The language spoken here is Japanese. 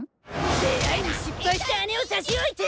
出会いに失敗した姉をさしおいて！